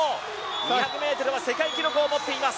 ２００ｍは世界記録を持っています。